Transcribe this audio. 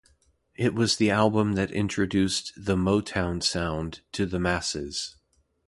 It was the album that introduced "The Motown Sound" to the masses.